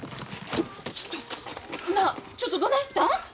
ちょっとなあちょっとどないしたん？